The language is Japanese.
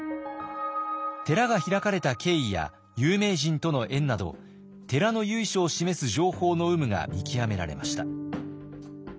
寺が開かれた経緯や有名人との縁など寺の由緒を示す情報の有無が見極められました。